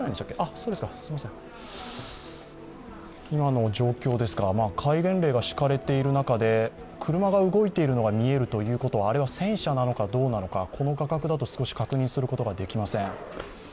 今の状況ですが、戒厳令が敷かれている中で車が動いているのが見えるということ、あれは戦車なのかどうなのか、この画角だと少し確認することができません。